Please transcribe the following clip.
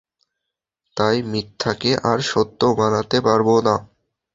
তাই, মিথ্যা কে আর, সত্য বানাতে পারবো না।